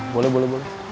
boleh boleh boleh